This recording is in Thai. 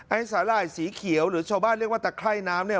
สาหร่ายสีเขียวหรือชาวบ้านเรียกว่าตะไคร่น้ำเนี่ย